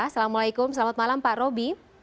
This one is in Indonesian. assalamualaikum selamat malam pak roby